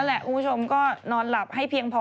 แหละคุณผู้ชมก็นอนหลับให้เพียงพอ